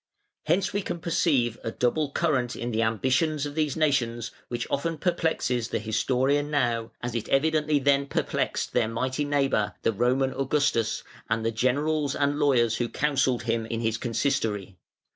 Hence we can perceive a double current in the ambitions of these nations which often perplexes the historian now, as it evidently then perplexed their mighty neighbour, the Roman Augustus, and the generals and lawyers who counselled him in his consistory.